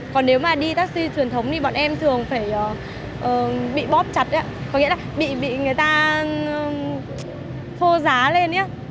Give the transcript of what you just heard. còn nếu mà đi taxi truyền thống thì bọn em thường phải bị bóp chặt có nghĩa là bị người ta phô giá lên ấy